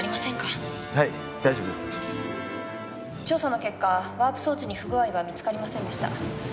調査の結果ワープ装置に不具合は見つかりませんでした。